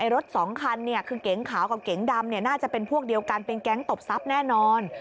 รถสองคันคือเก๋งขาวกับเก๋งดำน่าจะเป็นพวกเดียวกันเป็นแก๊งตบทรัพย์แน่นอน